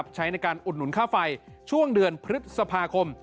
ใช้ในการอุดหนุนค่าไฟช่วงเดือนพฤษภาคม